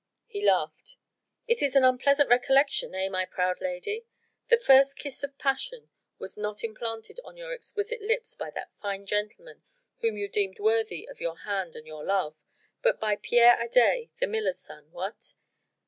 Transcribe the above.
He laughed. "It is an unpleasant recollection, eh, my proud lady? The first kiss of passion was not implanted on your exquisite lips by that fine gentleman whom you deemed worthy of your hand and your love, but by Pierre Adet, the miller's son, what?